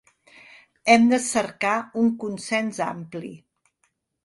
Hem de cercar un consens ampli.